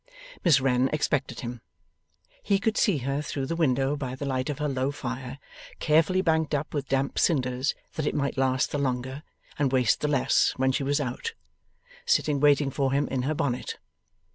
Miss Wren expected him. He could see her through the window by the light of her low fire carefully banked up with damp cinders that it might last the longer and waste the less when she was out sitting waiting for him in her bonnet.